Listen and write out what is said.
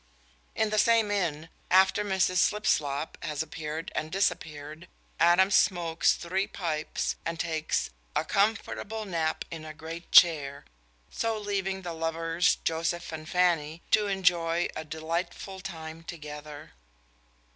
In the same inn, after Mrs. Slipslop has appeared and disappeared, Adams smokes three pipes and takes "a comfortable nap in a great chair," so leaving the lovers, Joseph and Fanny, to enjoy a delightful time together.